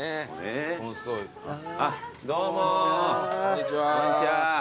どうもこんにちは。